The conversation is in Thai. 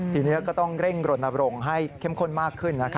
ทีนี้ก็ต้องเร่งกรณบรงให้เข้มข้นมากขึ้นนะครับ